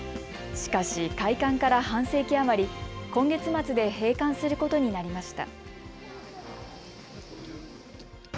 しかし開館から半世紀余り、今月末で閉館することになりました。